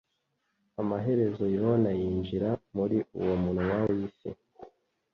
amaherezo yona yinjira muri uwomunwa wifi